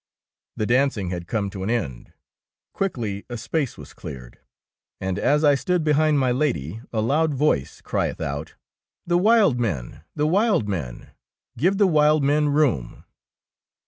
The dancing had come to an end. Quickly a space was cleared, and as I stood behind my Lady, a loud voice crieth out, — The wild men, the wild men ! Give the wild men room